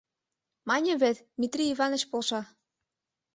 Маньым вет, Митрий Иваныч полша.